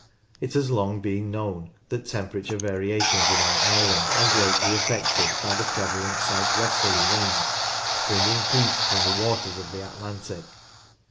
It has long been known that temperature variations in our island are greatly affected by the prevalent south westerly winds brinsjno; heat from the waters of the Atlantic.